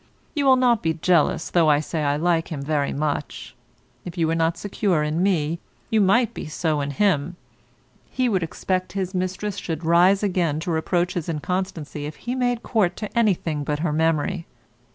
You will not be jealous though I say I like him very much. If you were not secure in me, you might be so in him. He would expect his mistress should rise again to reproach his inconstancy if he made court to anything but her memory.